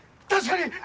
確かに！